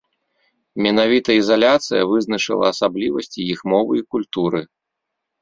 Менавіта ізаляцыя вызначыла асаблівасці іх мовы і культуры.